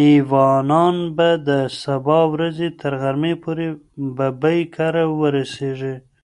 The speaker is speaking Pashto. ایوانان به د سبا ورځې تر غرمې پورې ببۍ کره ورسېږي.